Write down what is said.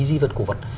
di vật cổ vật